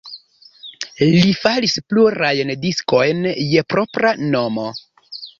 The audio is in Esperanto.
Li faris plurajn diskojn je propra nomo.